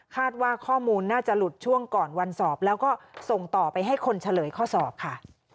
ข้อมูลน่าจะหลุดช่วงก่อนวันสอบแล้วก็ส่งต่อไปให้คนเฉลยข้อสอบค่ะ